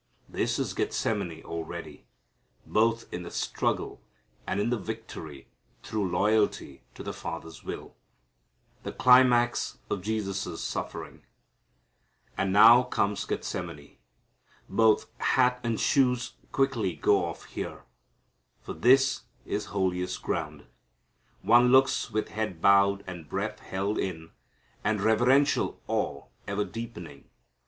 '" This is Gethsemane already, both in the struggle and in the victory through loyalty to the Father's will. The Climax of Jesus' Suffering. And now comes Gethsemane. Both hat and shoes quickly go off here, for this is holiest ground. One looks with head bowed and breath held in, and reverential awe ever deepening.